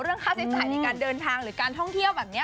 ค่าใช้จ่ายในการเดินทางหรือการท่องเที่ยวแบบนี้